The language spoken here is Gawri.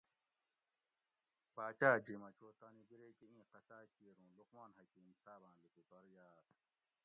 باچاۤ جِھیمہ چو تانی بِرے کہ اِیں قصاۤ کیر اوں لقمان حکیم صاباۤں لوکوٹور یاۤت